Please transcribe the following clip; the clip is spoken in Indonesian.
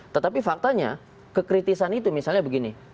tetapi faktanya kekritisan itu misalnya begini